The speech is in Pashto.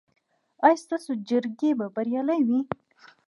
ایا ستاسو جرګې به بریالۍ وي؟